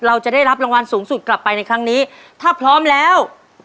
เราจะได้รับรางวัลสูงสุดกลับไปในครั้งนี้ถ้าพร้อมแล้ว